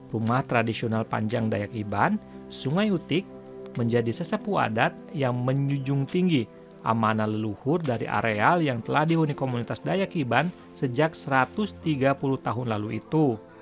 rumah tradisional panjang dayak iban sungai utik menjadi sesepu adat yang menjunjung tinggi amanah leluhur dari areal yang telah dihuni komunitas dayak iban sejak satu ratus tiga puluh tahun lalu itu